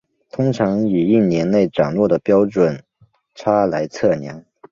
通常以一年内涨落的标准差来测量。